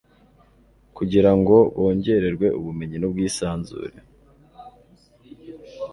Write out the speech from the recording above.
kugira ngo bongererwe ubumenyi n'ubwisanzure